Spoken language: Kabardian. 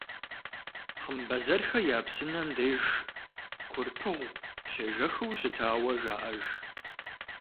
«Хъымбэзэрхэ я псынэм» деж Курпыгъу щежэхыу щытауэ жаӏэж.